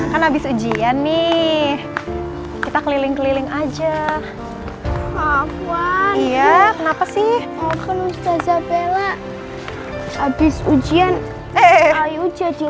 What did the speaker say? kan habis ujian nih kita keliling keliling aja iya kenapa sih abis ujian eh ayo jadi